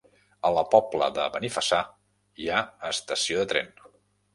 A la Pobla de Benifassà hi ha estació de tren?